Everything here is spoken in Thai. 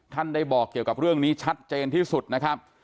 ได้บอกเกี่ยวกับเรื่องนี้ชัดเจนที่สุดนะครับ